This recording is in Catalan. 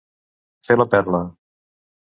Fer la perla.